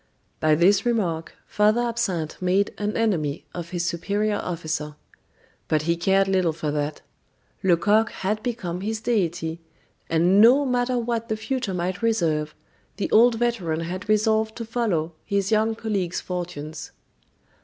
By this remark, Father Absinthe made an enemy of his superior officer. But he cared little for that: Lecoq had become his deity, and no matter what the future might reserve, the old veteran had resolved to follow his young colleague's fortunes.